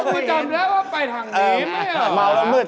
ผมจำแล้วว่าไปทางนี้มั้ยอะ